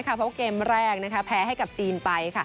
เพราะว่าเกมแรกแพ้ให้จีนไป